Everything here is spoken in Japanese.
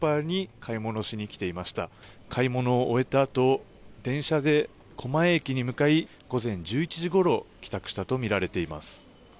買い物を終えたあと電車で狛江駅に向かい午前１１時ごろ帰宅したとみられています。